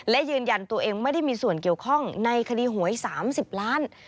และยืนยันตัวเองไม่ได้มีส่วนเกี่ยวข้องในคดีหวย๓๐ล้าน